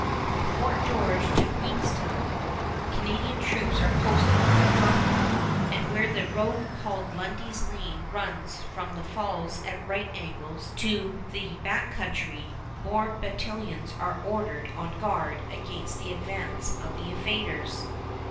From Fort George to Queenston Canadian troops are posted by Drummond, and where the road called Lundy's Lane runs from the Falls at right angles to the Back Country more battalions are ordered on guard against the advance of the invaders.